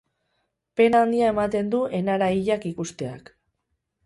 Pena handia ematen du enara hilak ikusteak.